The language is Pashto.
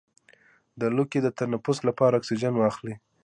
د لوګي د تنفس لپاره اکسیجن واخلئ